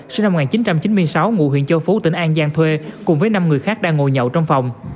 sinh năm một nghìn chín trăm chín mươi sáu ngụ huyện châu phú tỉnh an giang thuê cùng với năm người khác đang ngồi nhậu trong phòng